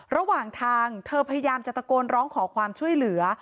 ระหว่างทางเธอพยายามจะตะโกนร้องขอความช่วยเหลือ